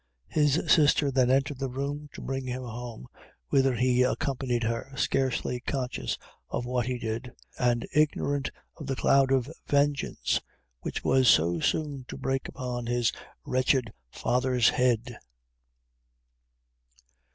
His sister then entered the room to bring him home, whither he accompanied her, scarcely conscious of what he did, and ignorant of the cloud of vengeance which was so soon to break upon his wretched father's head.